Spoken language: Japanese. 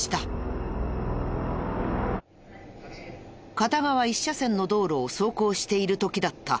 片側１車線の道路を走行している時だった。